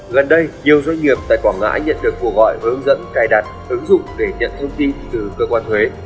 gần đây nhiều doanh nghiệp tại quảng ngãi nhận được cuộc gọi hướng dẫn cài đặt ứng dụng để nhận thông tin từ cơ quan thuế